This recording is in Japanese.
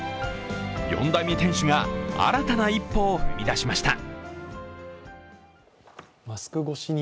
４代目店主が新たな一歩を踏み出しました。